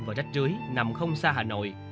và rách trưới nằm không xa hà nội